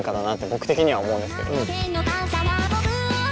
僕的には思うんですけど。